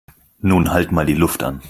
Nun halt mal die Luft an